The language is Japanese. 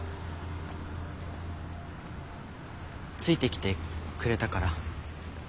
ついてきてくれたから。